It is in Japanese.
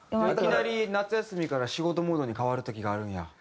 いきなり夏休みから仕事モードに変わる時があるんや。